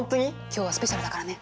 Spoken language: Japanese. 今日はスペシャルだからね。